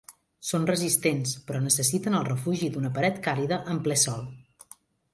Són resistents, però necessiten el refugi d'una paret càlida en ple sol.